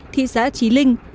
thị xã trí linh